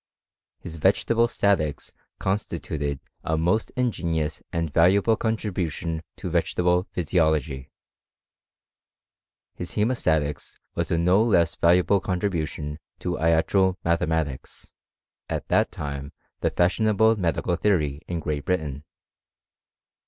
His vegetable statics constituted most ingenious and valuable contribution to vegeta e physiology. His haemastatics was a no less valu * »le contribution to iatro mathematics, at that time e fashionable medical theory in Great Britain.